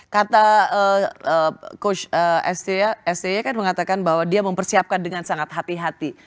kata sy kan mengatakan bahwa dia mempersiapkan dengan sangat hati hati